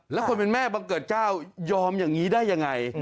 แล้วคนเป็นแม่บังเกิดเจ้ายอมอย่างนี้ได้ยังไง